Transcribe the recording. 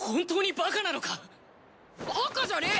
バカじゃねえ！